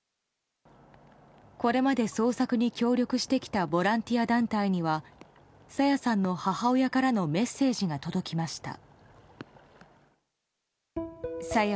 これまで捜索に協力してきたボランティア団体には朝芽さんの母親からのメッセージが届きました。